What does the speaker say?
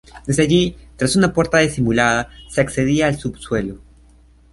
Desde allí, tras una puerta disimulada se accedía al subsuelo.